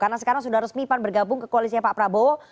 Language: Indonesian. karena sekarang sudah resmi pan bergabung ke koalisnya pak prabowo